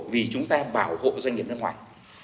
vì chúng ta bảo hộ doanh nghiệp nước ngoài